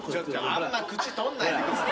あんま口撮んないでください。